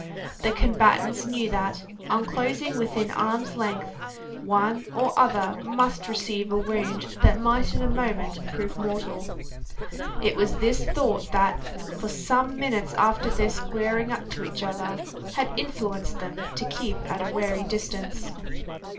The combatants knew that, on closing within arms' length, one or other must receive a wound that might in a moment prove mortal. It was this thought that for some minutes after their squaring up to each other had influenced them to keep at a wary distance.